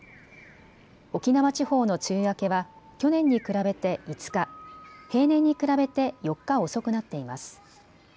沖縄地方の梅雨明けは去年に比べて５日、平年に比べて４日遅くなっています。